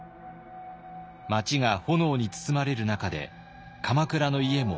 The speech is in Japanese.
街が炎に包まれる中で鎌倉の家も全焼。